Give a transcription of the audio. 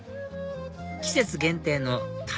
季節限定の鯛